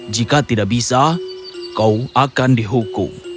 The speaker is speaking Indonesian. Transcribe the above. jika tidak bisa kau akan dihukum